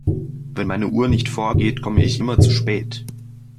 Wenn meine Uhr nicht vorgeht, komme ich immer zu spät.